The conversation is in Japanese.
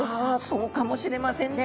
そうかもしれませんね。